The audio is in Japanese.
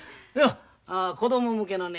子供向けのね